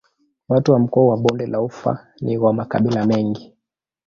Watu wa mkoa wa Bonde la Ufa ni wa makabila mengi.